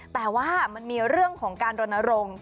แต่ว่ามันมีเรื่องของการรณรงค์